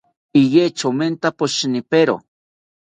Iya chomenta poshinipero